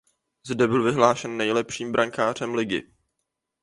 Zde byl vyhlášen nejlepším brankářem ligy.